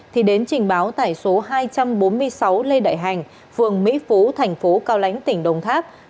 thì đến trình báo tại số hai trăm bốn mươi sáu lê đại hành phường mỹ phú tp cao lãnh tp hcm